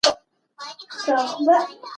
لګښتونه باید د یوې شفافې تګلارې له مخې تنظیم شي.